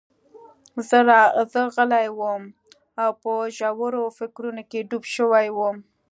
زه غلی وم او په ژورو فکرونو کې ډوب شوی وم